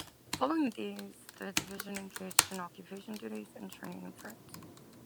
Following this, the division engaged in occupation duties and training in France.